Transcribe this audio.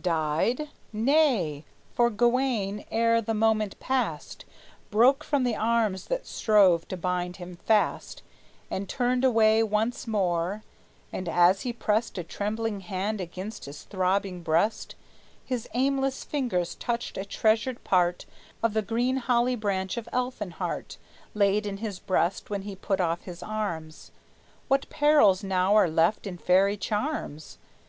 Died? Nay; for Gawayne, ere the moment passed, Broke from the arms that strove to bind him fast, And turned away once more; and, as he pressed A trembling hand against his throbbing breast, His aimless fingers touched a treasured part Of the green holly branch of Elfinhart, Laid in his breast when he put off his arms. What perils now are left in fairy charms?